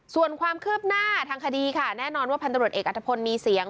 ส่วนความคืบหน้าทางคดีค่ะแน่นอนว่าพันตรวจเอกอัฐพลมีเสียง